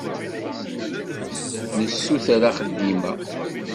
Nessuter axeddim-a.